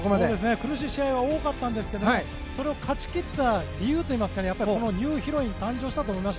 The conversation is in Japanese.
苦しい試合が多かったんですがそれを勝ち切った理由といいますかニューヒロイン誕生したと思います。